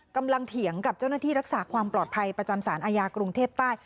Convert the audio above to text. เถียงกับเจ้าหน้าที่รักษาความปลอดภัยประจำสารอาญากรุงเทพใต้